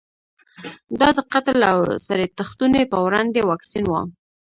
دا د قتل او سړي تښتونې په وړاندې واکسین و.